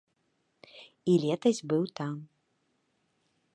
І летась быў там.